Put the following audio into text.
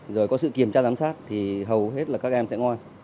rồi có sự kiểm tra giám sát thì hầu hết là các em sẽ ngoan